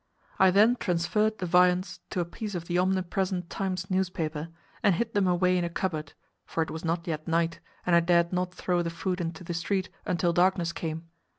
I then transferred the viands to a piece of the omnipresent Times newspaper, and hid them away in a cupboard, for it was not yet night, and I dared not throw the food into the street until darkness came.